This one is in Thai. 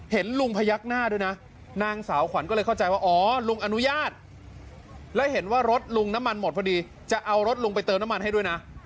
เห็นลุงพยักหน้าด้วยนะนางสาวขวัญก็เลยเข้าใจว่าอ๋อลุงอนุญาตแล้วเห็นว่ารถลุงน้ำมันหมดพอดีจะเอารถลุงไปเติมน้ำมันให้ด้วยนะ